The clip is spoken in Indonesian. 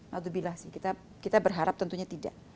waktu bila sih kita berharap tentunya tidak